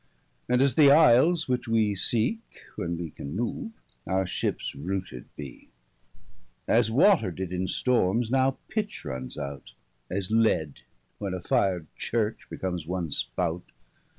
And, as the Iles which wee Seeke, when wee can move, our ships rooted bee. 10 As water did in stormes, now pitch runs out: As lead, when a fir'd Church becomes one spout.